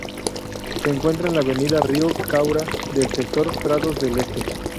Se encuentra en la Avenida Rio Caura del sector Prados del Este.